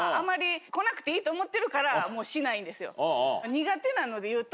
苦手なので言うと。